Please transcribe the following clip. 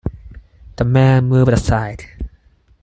The man moved aside.